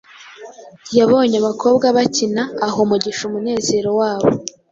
Yabonye abakobwa bakina, aha umugisha umunezero wabo